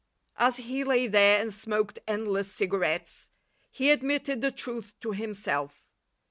As he lay there and smoked endless cigarettes, he admitted the truth to himself.